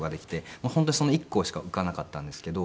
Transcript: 本当にその１校しか受からなかったんですけど。